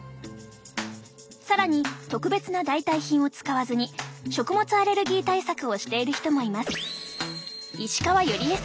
更に特別な代替品を使わずに食物アレルギー対策をしている人もいます。